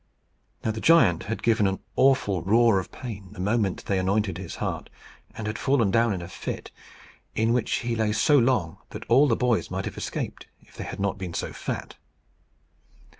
Now, the giant had given an awful roar of pain the moment they anointed his heart, and had fallen down in a fit, in which he lay so long that all the boys might have escaped if they had not been so fat.